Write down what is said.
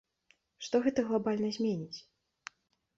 Што гэта глабальна зменіць?